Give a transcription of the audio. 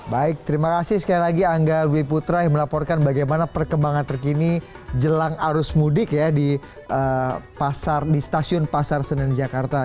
baik terima kasih sekali lagi angga dwi putra yang melaporkan bagaimana perkembangan terkini jelang arus mudik ya di stasiun pasar senen jakarta